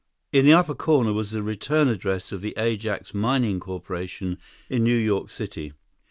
In the upper corner was the return address of the Ajax Mining Corporation in New York City.